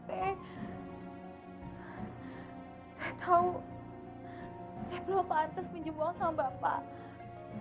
saya tahu saya belum pantas pinjem uang sama bapak